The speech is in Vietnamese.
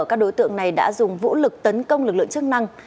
các đối tượng này đã dùng vũ lực tấn công lực lượng chức năng